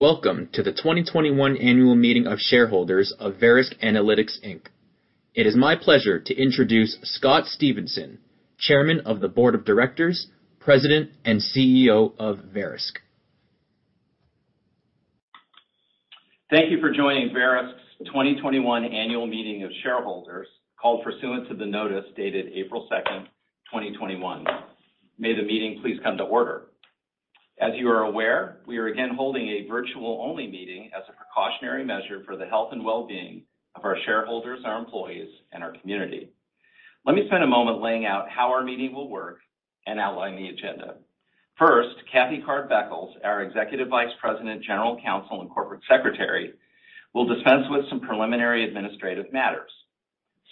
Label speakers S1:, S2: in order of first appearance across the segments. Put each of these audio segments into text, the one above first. S1: Welcome to the 2021 annual meeting of shareholders of Verisk Analytics, Inc. It is my pleasure to introduce Scott Stephenson, Chairman of the Board of Directors, President, and CEO of Verisk.
S2: Thank you for joining Verisk's 2021 annual meeting of shareholders, called pursuant to the notice dated April 2nd, 2021. May the meeting please come to order. As you are aware, we are again holding a virtual-only meeting as a precautionary measure for the health and wellbeing of our shareholders, our employees, and our community. Let me spend a moment laying out how our meeting will work and outlining the agenda. First, Kathy Card Beckles, our Executive Vice President, General Counsel, and Corporate Secretary, will dispense with some preliminary administrative matters.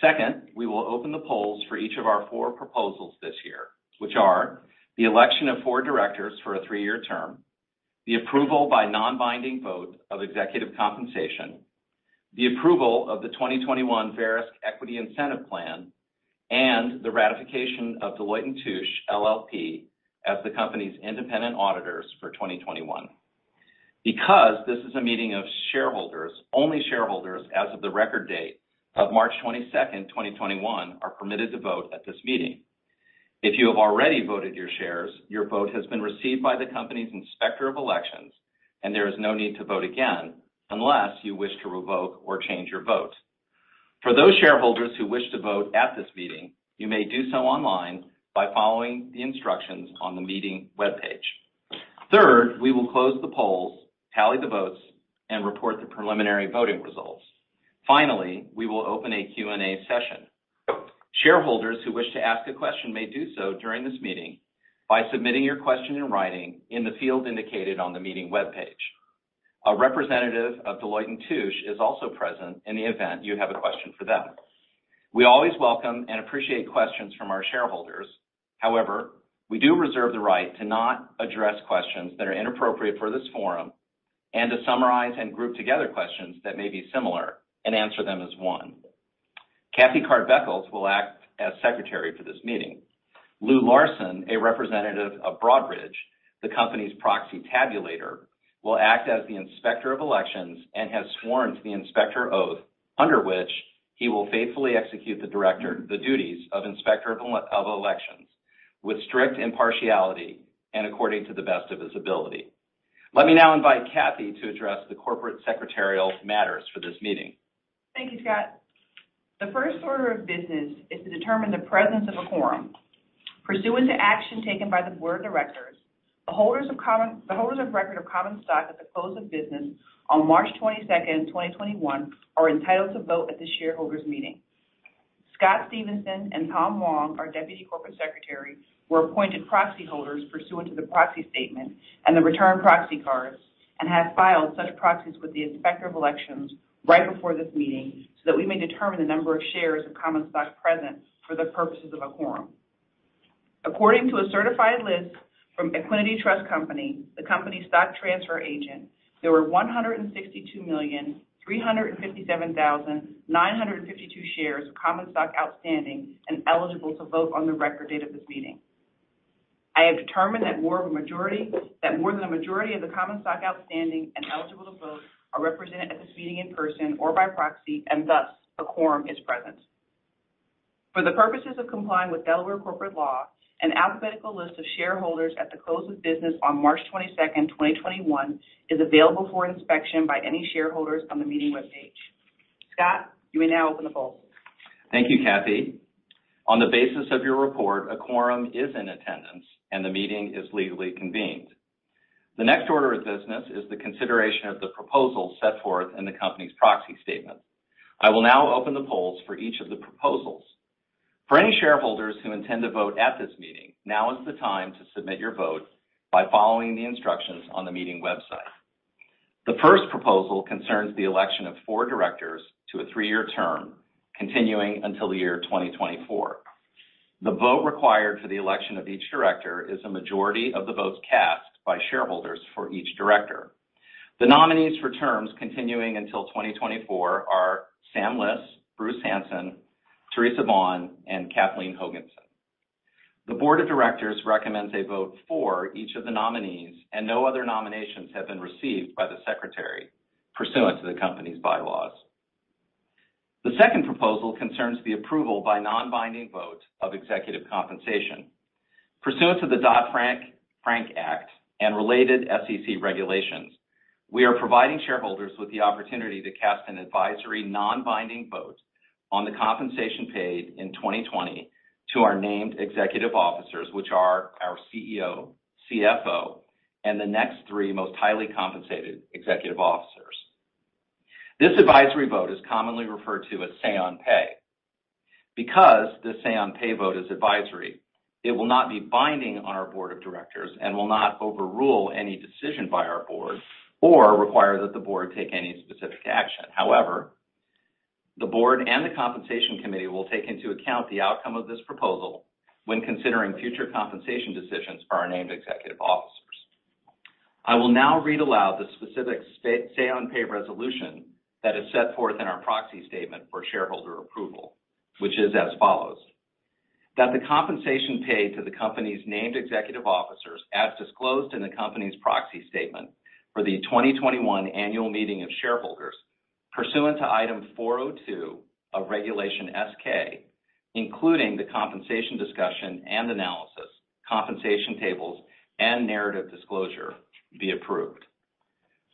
S2: Second, we will open the polls for each of our four proposals this year, which are the election of four directors for a three-year term, the approval by non-binding vote of executive compensation, the approval of the 2021 Verisk Equity Incentive Plan, and the ratification of Deloitte & Touche LLP as the company's independent auditors for 2021. Because this is a meeting of shareholders, only shareholders as of the record date of March 22nd, 2021, are permitted to vote at this meeting. If you have already voted your shares, your vote has been received by the company's Inspector of Elections and there is no need to vote again unless you wish to revoke or change your vote. For those shareholders who wish to vote at this meeting, you may do so online by following the instructions on the meeting webpage. Third, we will close the polls, tally the votes, and report the preliminary voting results. Finally, we will open a Q&A session. Shareholders who wish to ask a question may do so during this meeting by submitting your question in writing in the field indicated on the meeting webpage. A representative of Deloitte & Touche is also present in the event you have a question for them. We always welcome and appreciate questions from our shareholders. However, we do reserve the right to not address questions that are inappropriate for this forum and to summarize and group together questions that may be similar and answer them as one. Kathy Card Beckles will act as secretary for this meeting. Lou Larson, a representative of Broadridge, the company's proxy tabulator, will act as the Inspector of Elections and has sworn to the inspector oath under which he will faithfully execute the duties of Inspector of Elections with strict impartiality and according to the best of his ability. Let me now invite Kathy to address the corporate secretarial matters for this meeting.
S3: Thank you, Scott. The first order of business is to determine the presence of a quorum. Pursuant to action taken by the board of directors, the holders of record of common stock at the close of business on March 22nd, 2021, are entitled to vote at this shareholders' meeting. Scott Stephenson and Tom Wong, our deputy corporate secretary, were appointed proxy holders pursuant to the proxy statement and the return proxy cards and had filed such proxies with the Inspector of Elections right before this meeting, so that we may determine the number of shares of common stock present for the purposes of a quorum. According to a certified list from Equiniti Trust Company, the company's stock transfer agent, there were 162,357,952 shares of common stock outstanding and eligible to vote on the record date of this meeting. I have determined that more than the majority of the common stock outstanding and eligible to vote are represented at this meeting in person or by proxy, and thus the quorum is present. For the purposes of complying with Delaware corporate law, an alphabetical list of shareholders at the close of business on March 22nd, 2021, is available for inspection by any shareholders on the meeting webpage. Scott, you may now open the polls.
S2: Thank you, Kathy. On the basis of your report, a quorum is in attendance and the meeting is legally convened. The next order of business is the consideration of the proposal set forth in the company's proxy statement. I will now open the polls for each of the proposals. For any shareholders who intend to vote at this meeting, now is the time to submit your vote by following the instructions on the meeting website. The first proposal concerns the election of four directors to a three-year term, continuing until the year 2024. The vote required for the election of each director is a majority of the votes cast by shareholders for each director. The nominees for terms continuing until 2024 are Samuel Liss, Bruce Hansen, Therese Vaughan, and Kathleen Hogenson. The board of directors recommends a vote for each of the nominees. No other nominations have been received by the secretary pursuant to the company's bylaws. The second proposal concerns the approval by non-binding vote of executive compensation. Pursuant to the Dodd-Frank Act and related SEC regulations, we are providing shareholders with the opportunity to cast an advisory non-binding vote on the compensation paid in 2020 to our named executive officers, which are our CEO, CFO, and the next three most highly compensated executive officers. This advisory vote is commonly referred to as say on pay. Because the say on pay vote is advisory, it will not be binding on our board of directors and will not overrule any decision by our board or require that the board take any specific action. However, the board and the Compensation Committee will take into account the outcome of this proposal when considering future compensation decisions for our named executive officers. I will now read aloud the specific say on pay resolution that is set forth in our proxy statement for shareholder approval, which is as follows. That the compensation paid to the company's named executive officers as disclosed in the company's proxy statement for the 2021 annual meeting of shareholders pursuant to Item 402 of Regulation S-K, including the compensation discussion and analysis, compensation tables, and narrative disclosure be approved.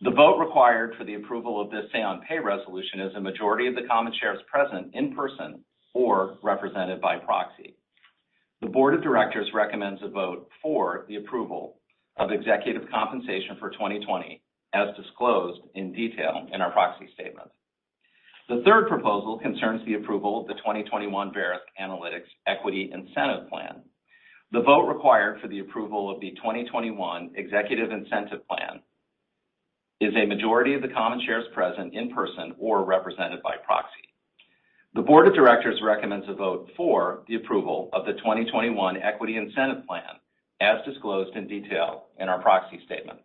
S2: The vote required for the approval of this say on pay resolution is a majority of the common shares present in person or represented by proxy. The board of directors recommends a vote for the approval of executive compensation for 2020, as disclosed in detail in our proxy statement. The third proposal concerns the approval of the 2021 Verisk Analytics Equity Incentive Plan. The vote required for the approval of the 2021 Executive Incentive Plan is a majority of the common shares present in person or represented by proxy. The board of directors recommends a vote for the approval of the 2021 Equity Incentive Plan, as disclosed in detail in our proxy statement.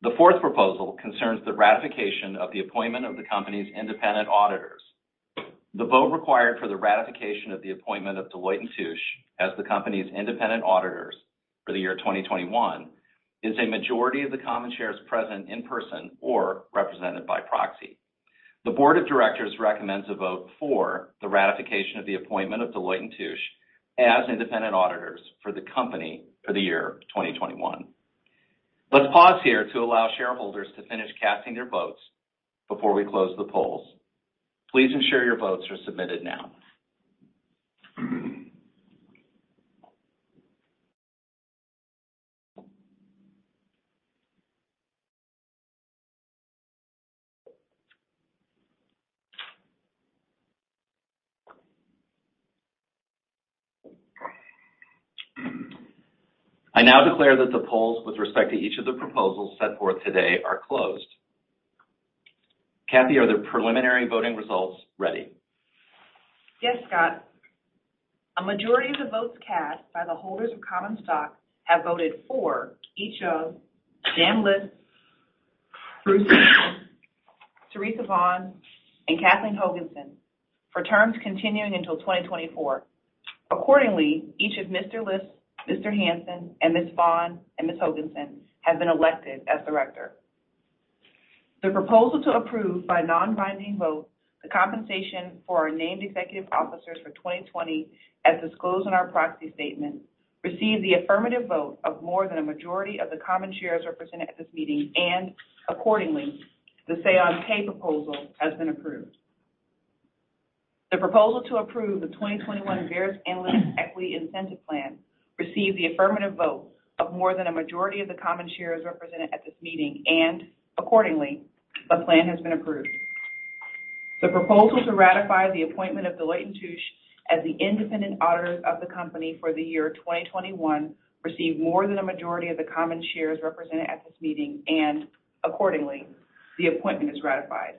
S2: The fourth proposal concerns the ratification of the appointment of the company's independent auditors. The vote required for the ratification of the appointment of Deloitte & Touche as the company's independent auditors for the year 2021 is a majority of the common shares present in person or represented by proxy. The board of directors recommends a vote for the ratification of the appointment of Deloitte & Touche as independent auditors for the company for the year 2021. Let's pause here to allow shareholders to finish casting your votes before we close the polls. Please ensure your votes are submitted now. I now declare that the polls with respect to each of the proposals set forth today are closed. Kathy, are the preliminary voting results ready?
S3: Yes, Scott. A majority of the votes cast by the holders of common stock have voted for each of Samuel Liss, Therese Vaughan, and Kathleen Hogenson for terms continuing until 2024. Accordingly, each of Mr. Liss, Mr. Hansen, Ms. Vaughan, and Ms. Hogenson have been elected as director. The proposal to approve by non-binding vote the compensation for our named executive officers for 2020, as disclosed in our proxy statement, received the affirmative vote of more than a majority of the common shares represented at this meeting, and accordingly, the say on pay proposal has been approved. The proposal to approve the 2021 Verisk Analytics Equity Incentive Plan received the affirmative vote of more than a majority of the common shares represented at this meeting, and accordingly, the plan has been approved. The proposal to ratify the appointment of Deloitte & Touche as the independent auditors of the company for the year 2021 received more than a majority of the common shares represented at this meeting, and accordingly, the appointment is ratified.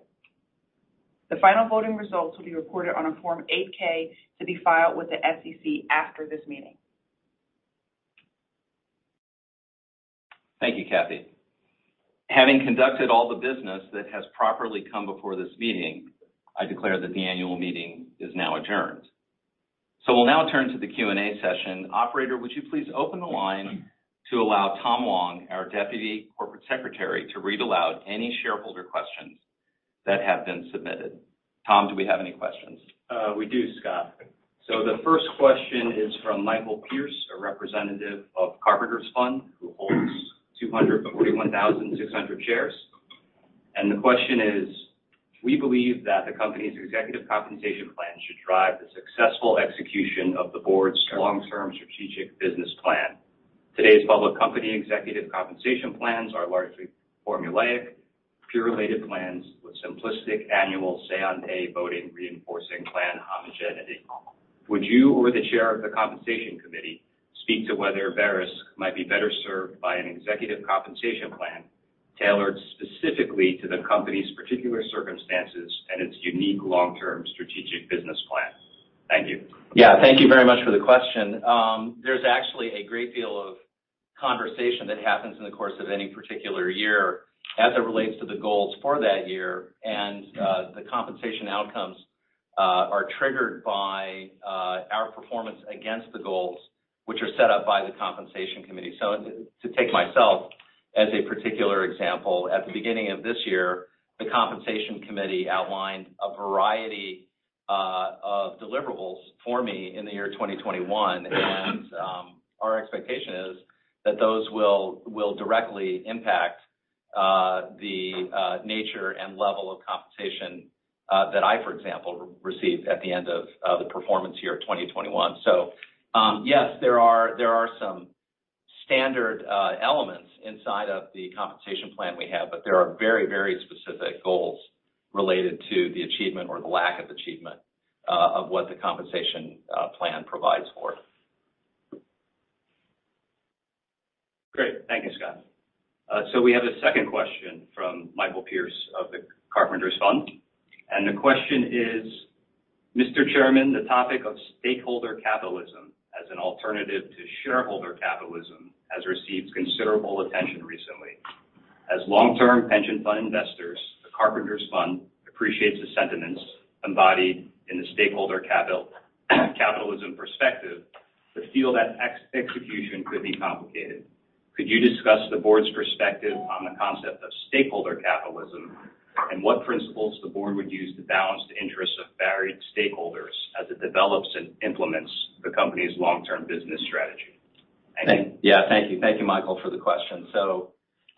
S3: The final voting results will be recorded on a Form 8-K to be filed with the SEC after this meeting.
S2: Thank you, Kathy. Having conducted all the business that has properly come before this meeting, I declare that the annual meeting is now adjourned. We'll now turn to the Q&A session. Operator, would you please open the line to allow Tom Wong, our Deputy Corporate Secretary, to read aloud any shareholder questions that have been submitted. Tom, do we have any questions?
S4: We do, Scott. The first question is from Michael Pierce, a representative of Carpenters Fund, who holds 241,600 shares. The question is: We believe that the company's executive compensation plan should drive the successful execution of the board's long-term strategic business plan. Today's public company executive compensation plans are largely formulaic, peer-related plans with simplistic annual say on pay voting reinforcing plan homogeneity. Would you or the chair of the Compensation Committee speak to whether Verisk might be better served by an executive compensation plan tailored specifically to the company's particular circumstances and its unique long-term strategic business plan? Thank you.
S2: Yeah, thank you very much for the question. There's actually a great deal of conversation that happens in the course of any particular year as it relates to the goals for that year. The Compensation Committee outcomes are triggered by our performance against the goals, which are set up by the Compensation Committee. To take myself as a particular example, at the beginning of this year, the Compensation Committee outlined a variety of deliverables for me in the year 2021, and our expectation is that those will directly impact the nature and level of compensation that I, for example, receive at the end of the performance year 2021. Yes, there are some standard elements inside of the compensation plan we have, but there are very specific goals related to the achievement or lack of achievement of what the compensation plan provides for.
S4: Great. Thank you, Scott. We have a second question from Michael Pierce of the Carpenters Fund, and the question is: Mr. Chairman, the topic of stakeholder capitalism as an alternative to shareholder capitalism has received considerable attention recently. As long-term pension fund investors, the Carpenters Fund appreciates the sentiments embodied in the stakeholder capitalism perspective but feel that execution could be complicated. Could you discuss the board's perspective on the concept of stakeholder capitalism and what principles the board would use to balance the interests of varied stakeholders as it develops and implements the company's long-term business strategy?
S2: Thank you, Michael, for the question.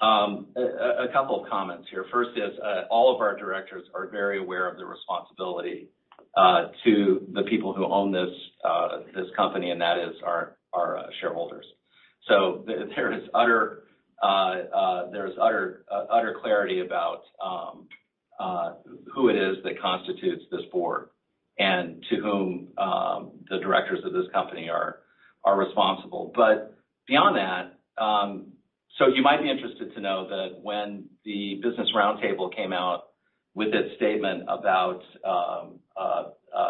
S2: A couple of comments here. First is all of our directors are very aware of the responsibility to the people who own this company, and that is our shareholders. There's utter clarity about who it is that constitutes this board and to whom the directors of this company are responsible. Beyond that, you might be interested to know that when the Business Roundtable came out with its statement about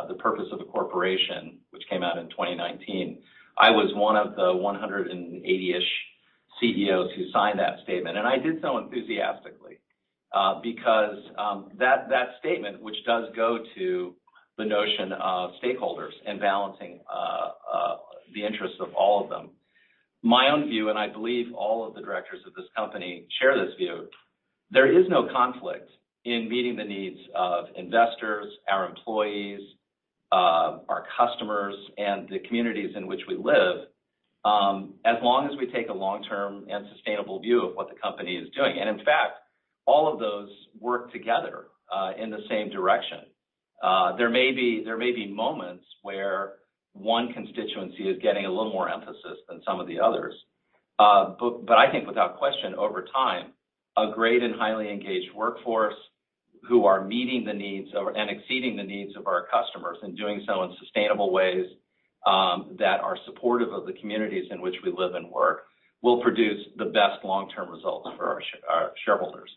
S2: the purpose of the corporation, which came out in 2019, I was one of the 180-ish CEOs who signed that statement, and I did so enthusiastically because that statement, which does go to the notion of stakeholders and balancing the interests of all of them. My own view, and I believe all of the directors of this company share this view, there is no conflict in meeting the needs of investors, our employees, our customers, and the communities in which we live, as long as we take a long-term and sustainable view of what the company is doing. In fact, all of those work together in the same direction. There may be moments where one constituency is getting a little more emphasis than some of the others. I think without question, over time, a great and highly engaged workforce who are meeting the needs and exceeding the needs of our customers and doing so in sustainable ways that are supportive of the communities in which we live and work will produce the best long-term results for our shareholders.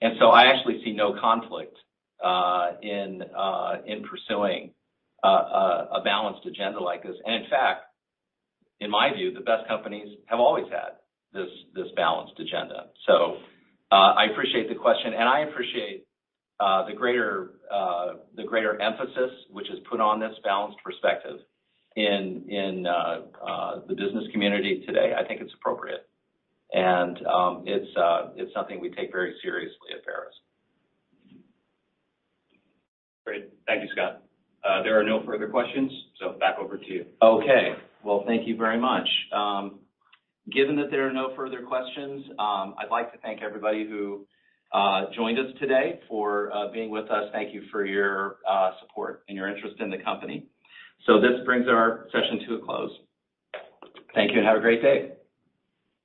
S2: I actually see no conflict in pursuing a balanced agenda like this. In fact, in my view, the best companies have always had this balanced agenda. I appreciate the question, and I appreciate the greater emphasis which is put on this balanced perspective in the business community today. I think it's appropriate, and it's something we take very seriously at Verisk.
S4: Great. Thank you, Scott. There are no further questions, so back over to you.
S2: Okay. Well, thank you very much. Given that there are no further questions, I'd like to thank everybody who joined us today for being with us. Thank you for your support and your interest in the company. This brings our session to a close. Thank you, and have a great day.